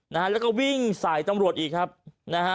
นะฮะแล้วก็วิ่งใส่ตำรวจอีกครับนะฮะ